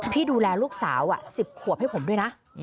ที่ดูแลลูกสาว๑๐ขวบให้ผมด้วยนะ